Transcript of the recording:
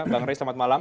bang ray selamat malam